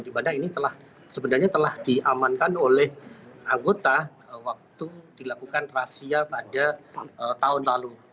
dimana ini sebenarnya telah diamankan oleh anggota waktu dilakukan rahasia pada tahun lalu